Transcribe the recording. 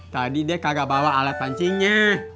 tadi deh kagak bawa alat pancingnya